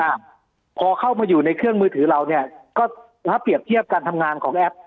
อ่าพอเข้ามาอยู่ในเครื่องมือถือเราเนี้ยก็ถ้าเปรียบเทียบการทำงานของแอป